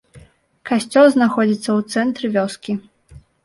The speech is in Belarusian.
Касцёл знаходзіцца ў цэнтры вёскі.